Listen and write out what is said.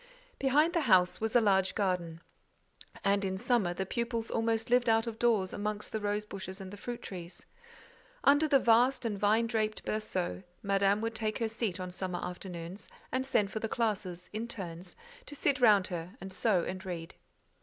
Behind the house was a large garden, and, in summer, the pupils almost lived out of doors amongst the rose bushes and the fruit trees. Under the vast and vine draped berceau, Madame would take her seat on summer afternoons, and send for the classes, in turns, to sit round her and sew and read.